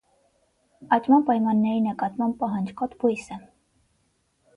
Աճման պայմանների նկատմամբ պահանջկոտ բույս է։